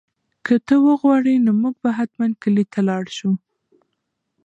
که ته وغواړې نو موږ به حتماً کلي ته لاړ شو.